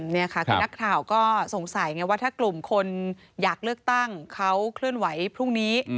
นี่ค่ะคือนักข่าวก็สงสัยไงว่าถ้ากลุ่มคนอยากเลือกตั้งเขาเคลื่อนไหวพรุ่งนี้